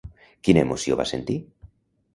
Quina emoció va sentir?